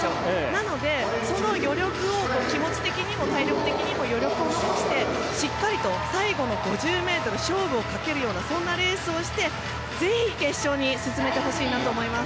なので、その余力を気持ち的にも体力的にも余力を残してしっかりと最後の５０ｍ勝負をかけるようなレースをしてぜひ決勝に進んでほしいなと思います。